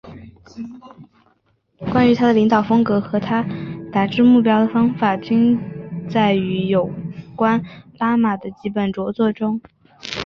关于他的领导风格和他达至目标的方法均载于有关拉玛的几本着作中。